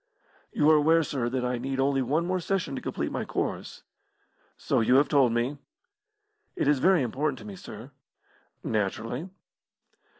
"You are aware, sir, that I need only one more session to complete my course." "So you have told me." "It is very important to me, sir." "Naturally."